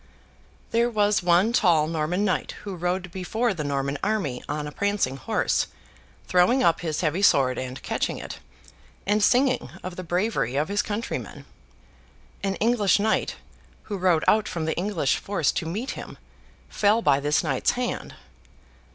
There was one tall Norman Knight who rode before the Norman army on a prancing horse, throwing up his heavy sword and catching it, and singing of the bravery of his countrymen. An English Knight, who rode out from the English force to meet him, fell by this Knight's hand.